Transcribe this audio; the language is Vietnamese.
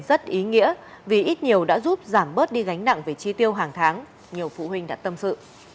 rất ý nghĩa vì ít nhiều đã giúp giảm bớt đi gánh nặng về chi tiêu hàng tháng nhiều phụ huynh đã tâm sự